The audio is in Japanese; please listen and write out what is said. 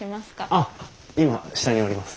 あっ今下におります。